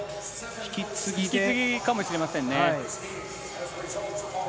引き継ぎかもしれませんね。